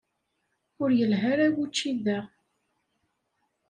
Ur yelha ara wučči da.